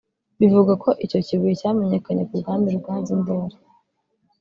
Bivugwa ko icyo kibuye cyamenyekanye ku bw’umwami Ruganzu Ndori